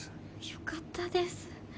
よかったです。